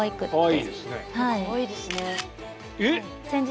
かわいいですね。